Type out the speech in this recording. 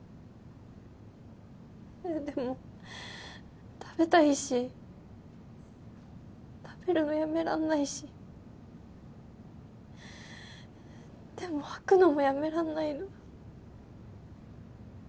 でも食べたいし食べるのやめられないしでも吐くのもやめられないの。